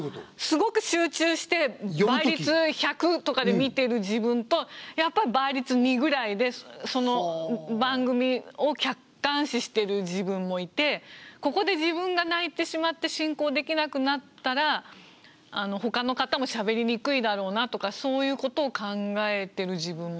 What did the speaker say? すごく集中して倍率１００とかで見てる自分とやっぱり倍率２ぐらいでその番組を客観視してる自分もいてここで自分が泣いてしまって進行できなくなったらほかの方もしゃべりにくいだろうなとかそういうことを考えてる自分もいて。